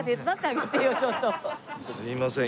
すいません。